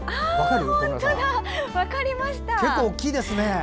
結構大きいですね。